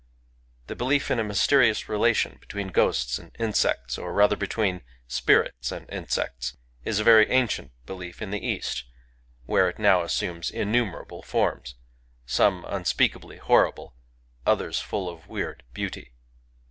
The belief in a mysterious relation between ghosts and insects, or rather between spirits and insects, is a very ancient belief in the East, where it now assumes innumerable forms, — some unspeakably horrible, others full of weird beauty.